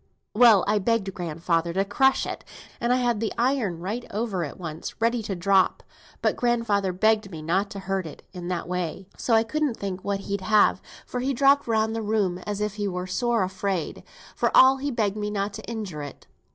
"Well, I begged grandfather to crush it, and I had the iron right over it once, ready to drop, but grandfather begged me not to hurt it in that way. So I couldn't think what he'd have, for he hopped round the room as if he were sore afraid, for all he begged me not to injure it.